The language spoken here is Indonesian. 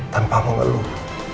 tanpa mau ngeluh